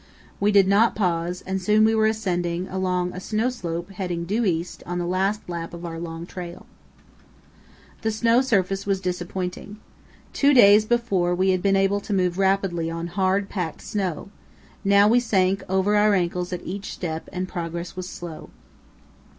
We did not pause, and soon we were ascending a snow slope heading due east on the last lap of our long trail. The snow surface was disappointing. Two days before we had been able to move rapidly on hard, packed snow; now we sank over our ankles at each step and progress was slow.